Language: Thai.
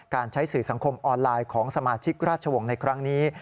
ใช้สื่อสังคมออนไลน์ของสมาชิกราชวงศ์ในครั้งนี้